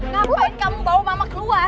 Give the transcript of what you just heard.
kenapa kamu bawa mama keluar